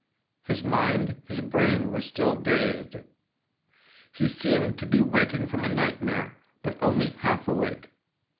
His mind, his brain were still dazed ; he seemed to be waking from a nightmare, but only half awake.